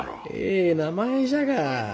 ええ名前じゃが。